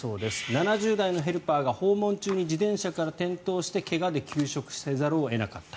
７０代のヘルパーが訪問中に自転車から転倒して怪我で休職せざるを得なかった。